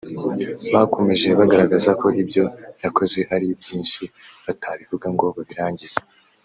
Bakomeje bagaragaza ko ibyo yakoze ari byinshi batabivuga ngo babirangize